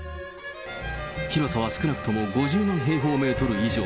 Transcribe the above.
広さは少なくとも５０万平方メートル以上。